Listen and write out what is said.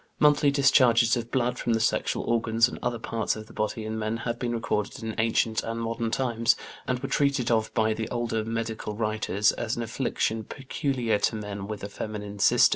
Monthly discharges of blood from the sexual organs and other parts of the body in men have been recorded in ancient and modern times, and were treated of by the older medical writers as an affliction peculiar to men with a feminine system.